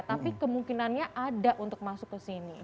tapi kemungkinannya ada untuk masuk ke sini